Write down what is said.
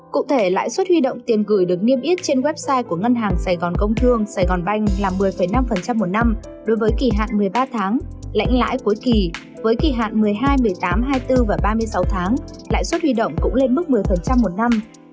cụ thể lãi suất huy động tiền gửi được niêm yết trên website của ngân hàng sài gòn công thương sài gòn banh là một mươi năm một năm đối với kỳ hạn một mươi ba tháng lãnh lãi cuối kỳ với kỳ hạn một mươi hai một mươi tám hai mươi bốn và ba mươi sáu tháng lãi suất huy động cũng lên mức một mươi một năm